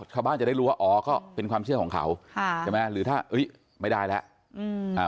ชาวบ้านจะได้รู้ว่าอ๋อก็เป็นความเชื่อของเขาค่ะใช่ไหมหรือถ้าเอ้ยไม่ได้แล้ว